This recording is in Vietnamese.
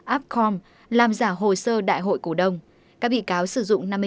app com làm giả hồ sơ đại hội cổ đông